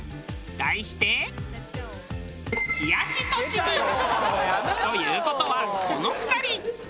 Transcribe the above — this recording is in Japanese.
題して。という事はこの２人。